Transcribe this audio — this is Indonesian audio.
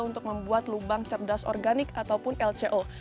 untuk membuat lubang cerdas organik ataupun lco